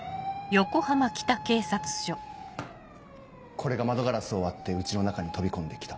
これが窓ガラスを割って家の中に飛び込んで来た？